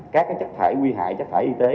các chắc thải nguy hại chắc thải y tế